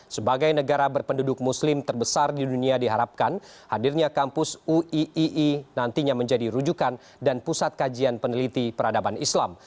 sebagai negara berpenduduk muslim terbesar di dunia diharapkan hadirnya kampus uii nantinya menjadi rujukan dan pusat kajian peneliti peradaban islam